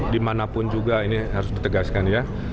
dimanapun juga ini harus ditegaskan ya